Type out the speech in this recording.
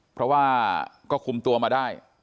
เพราะว่าก็คุมตัวมาได้